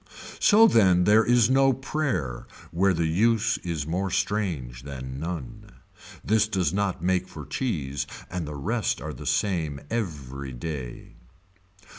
So then there is no prayer where the use is more strange than none. This does not make for cheese and the rest are the same every day.